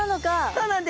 そうなんです。